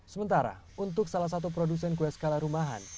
sementara untuk salah satu produsen kue skala rumahan